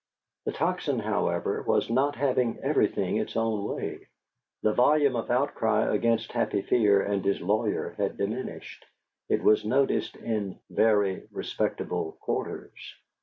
The Tocsin, however, was not having everything its own way; the volume of outcry against Happy Fear and his lawyer had diminished, it was noticed, in "very respectable quarters."